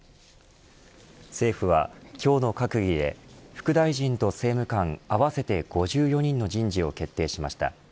政府は、今日の閣議で副大臣と政務官合わせて５４人の人事を決定しました。